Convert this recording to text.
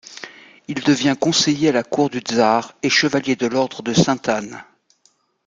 Il devient conseiller à la Cour du Tsar et chevalier de l'Ordre de Sainte-Anne.